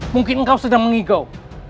mungkin kau sedang mengigau